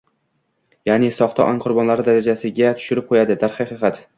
ya’ni “soxta ong” qurbonlari darajasiga tushirib qo‘yadi. Darhaqiqat